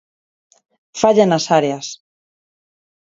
Falla nas áreas.